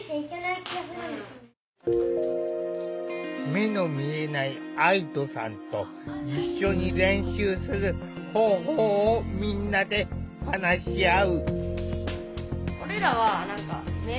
目の見えない愛土さんと一緒に練習する方法をみんなで話し合う。